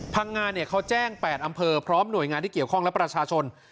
พังงาเขาแจ้ง๘อำเภอพร้อมหน่วยงานที่เกี่ยวข้องและประชาชน